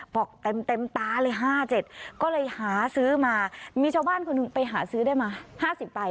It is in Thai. บอกเต็มตาเลย๕๗ก็เลยหาซื้อมามีชาวบ้านคนหนึ่งไปหาซื้อได้มา๕๐ใบ